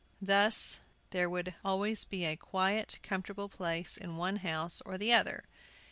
Thus there would always be a quiet, comfortable place in one house or the other.